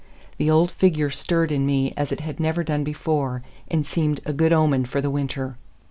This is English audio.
The old figure stirred me as it had never done before and seemed a good omen for the winter.